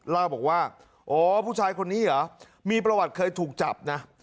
เล่าบอกว่าอ๋อผู้ชายคนนี้เหรอมีประวัติเคยถูกจับนะ